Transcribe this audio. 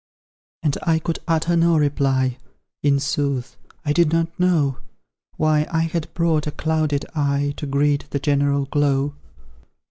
And I could utter no reply; In sooth, I did not know Why I had brought a clouded eye To greet the general glow.